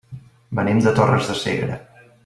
Venim de Torres de Segre.